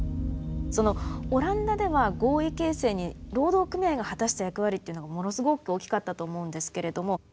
そのオランダでは合意形成に労働組合が果たした役割というのがものすごく大きかったと思うんですけれども。